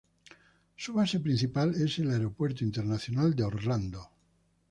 Su base principal es el Aeropuerto Internacional de Orlando.